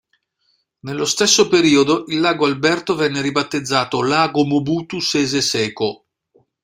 Nello stesso periodo il Lago Alberto venne ribattezzato "Lago Mobutu Sese Seko".